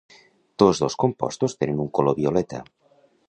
Tots dos compostos tenen un color violeta.